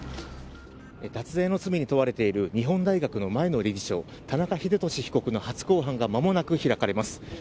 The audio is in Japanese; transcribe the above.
脱税の罪に問われている日本大学の前の理事長、田中英壽被告の初公判がまもなく開かれます。